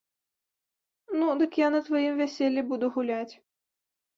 Ну, дык я на тваім вяселлі буду гуляць.